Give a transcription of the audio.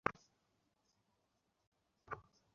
কাব আল-আহবার বলেন, জান্নাতে কারো দাড়ি থাকবে না।